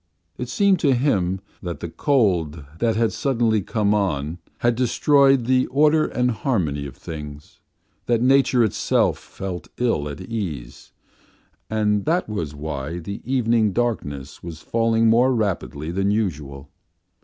It seemed to him that the cold that had suddenly come on had destroyed the order and harmony of things, that nature itself felt ill at ease, and that was why the evening darkness was falling more rapidly than usual.